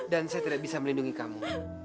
dan saya tidak bisa melindungi kamu